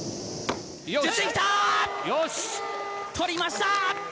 とりました！